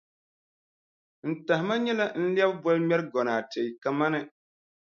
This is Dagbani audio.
N tahima nyɛla n lɛbi bolŋmɛrʼ gonaate kamani.